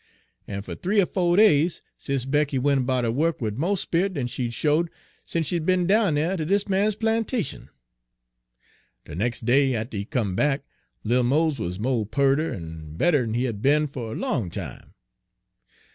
En fer th'ee er fo' days Sis' Becky went 'bout her wuk wid mo' sperrit den she'd showed sence she'd be'n down dere ter dis man's plantation. "De nex' day atter he come back, little Mose wuz mo' pearter en better'n he had be'n fer a long time.